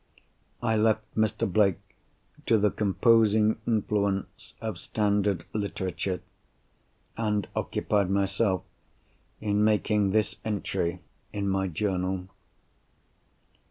I left Mr. Blake to the composing influence of Standard Literature, and occupied myself in making this entry in my journal.